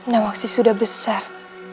namwaksi sudah besar